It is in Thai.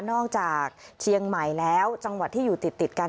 จากเชียงใหม่แล้วจังหวัดที่อยู่ติดกัน